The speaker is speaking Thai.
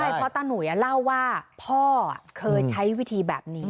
ใช่เพราะตาหนุ่ยเล่าว่าพ่อเคยใช้วิธีแบบนี้